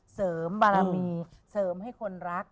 เสริมบารมีเสริมให้คนรัก